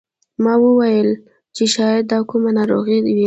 ما وویل چې شاید دا کومه ناروغي وي.